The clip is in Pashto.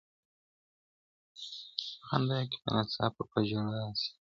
په خندا کي به ناڅاپه په ژړا سي